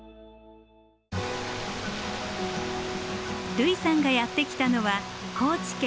類さんがやって来たのは高知県